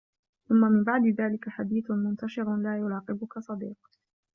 ثُمَّ مِنْ بَعْدِ ذَلِكَ حَدِيثٌ مُنْتَشِرٌ لَا يُرَاقِبُك صَدِيقٌ